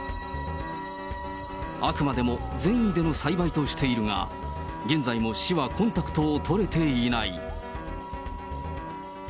あくまでも善意での栽培としているが、現在も市はコンタクトを取れていない。